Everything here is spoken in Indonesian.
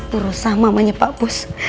berusaha mamanya pak bus